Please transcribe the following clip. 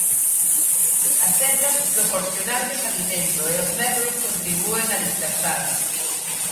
As hedras proporcionarlles alimento e os merlos contribúen a dispersalas.